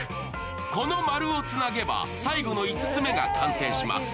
この○をつなげば最後の５つ目が完成します。